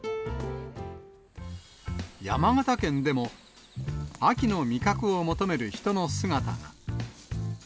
山形県でも、秋の味覚を求める人の姿が。